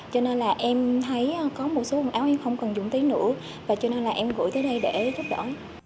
cho nên là em thấy có một số quần áo em không cần dùng tới nữa và cho nên là em gửi tới đây để giúp đỡ